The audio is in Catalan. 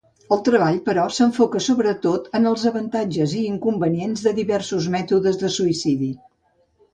El treball, però, s'enfoca sobretot en els avantatges i inconvenients de diversos mètodes de suïcidi.